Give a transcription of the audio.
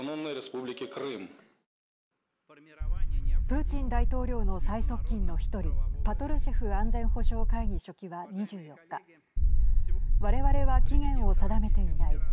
プーチン大統領の最側近の１人パトルシェフ安全保障会議書記は２４日われわれは期限を定めていない。